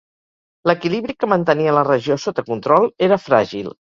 L'equilibri que mantenia la regió sota control era fràgil.